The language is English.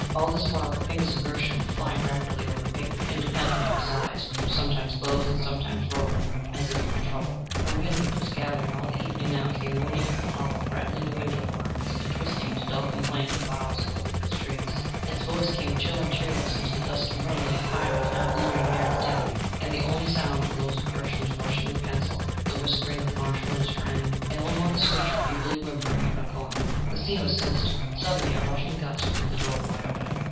All this while the fingers of Gershom were flying rapidly over the paper, independently of his eyes, which were sometimes closed, and sometimes rolling as if in trouble. A wind which had been gathering all the evening now came moaning up the hollow, rattling the window blinds, and twisting into dull complaint the boughs of the leafless trees. Its voice came chill and cheerless into the dusky room, where the fire was now glimmering near its death, and the only sounds were those of Gershom's rushing pencil, the whispering of Marshall and his friend, and old Mother Scritcher feebly whimpering in her corner. The scene was sinister. Suddenly, a rushing gust blew the door wide open.